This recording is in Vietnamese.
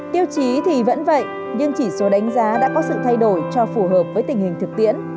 tiêu chí thì vẫn vậy nhưng chỉ số đánh giá đã có sự thay đổi cho phù hợp với tình hình thực tiễn